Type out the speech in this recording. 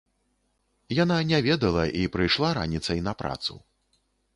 Яна не ведала і прыйшла раніцай на працу.